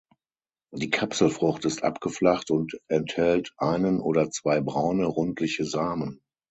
Die Kapselfrucht ist abgeflacht und enthält einen oder zwei braune, rundliche Samen.